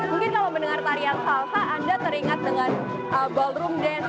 mungkin kalau mendengar tarian salsa anda teringat dengan ballroom dance